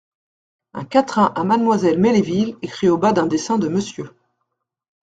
Un Quatrain à Mademoiselle Melesville, écrit au bas d'un dessin de M.